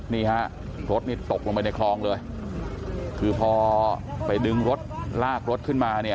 นี่ฮะรถนี่ตกลงไปในคลองเลยคือพอไปดึงรถลากรถขึ้นมาเนี่ย